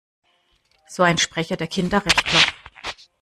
So ein Sprecher der Kinderrechtler.